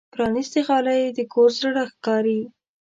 پرانستې غالۍ د کور زړه ښکاري.